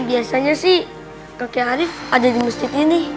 biasanya sih kakek arief ada di masjid ini